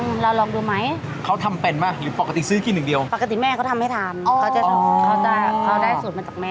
เขาจะทำเขาได้สูตรมาจากแม่เขา